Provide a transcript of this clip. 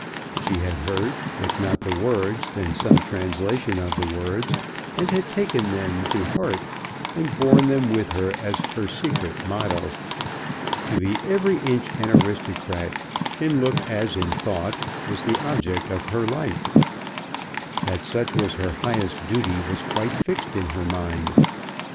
She had heard, if not the words, then some translation of the words, and had taken them to heart, and borne them with her as her secret motto. To be every inch an aristocrat, in look as in thought, was the object of her life. That such was her highest duty was quite fixed in her mind.